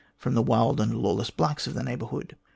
from the wild and lawless blacks of the neighbourhood.